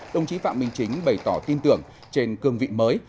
đồng chí phạm minh chính bày tỏ tin tưởng trên cương vị mới